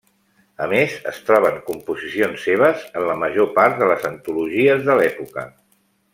A més, es troben composicions seves en la major part de les antologies de l'època.